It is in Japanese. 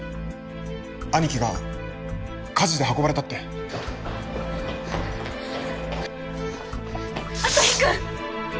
兄貴が火事で運ばれたって旭君！